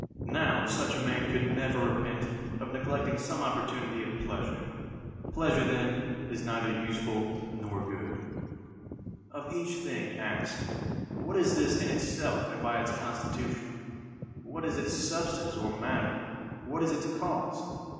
Now, such a man could never repent of neglecting some opportunity of pleasure. Pleasure, then, is neither useful nor good. 11. Of each thing ask: What is this in itself and by its constitution? What is its substance or matter? What is its cause?